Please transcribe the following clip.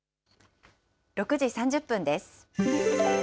６時３０分です。